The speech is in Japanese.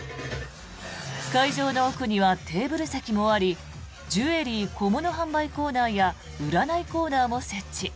会場の奥にはテーブル席もありジュエリー・小物販売コーナーや占いコーナーも設置。